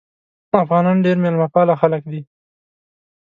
افغانان ډیر میلمه پاله خلک دي.